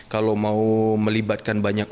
kalau mau melibatkan banyak